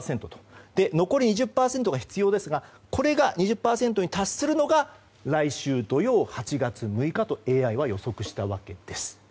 残り２０％が必要ですがこれが２０％に達するのが来週土曜、８月６日とＡＩは予測したわけです。